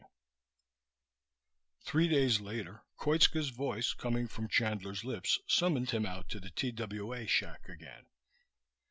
X Three days later Koitska's voice, coming from Chandler's lips, summoned him out to the TWA shack again.